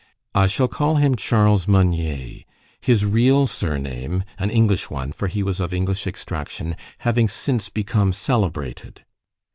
I shall call him Charles Meunier; his real surname an English one, for he was of English extraction having since become celebrated.